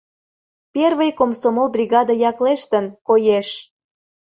Первый комсомол бригада яклештын, коеш...